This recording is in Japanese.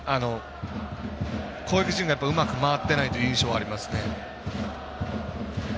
攻撃陣がうまく回ってないという印象はありますね。